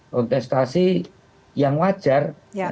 kontestasi yang wajar